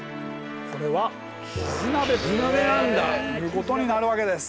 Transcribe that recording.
これはキジ鍋ということになるわけです。